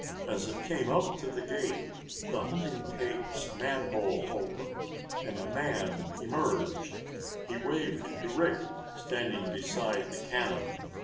As it came up to the gate the hunting tank's manhole opened and a man emerged. He waved to Rick, standing beside the cannon.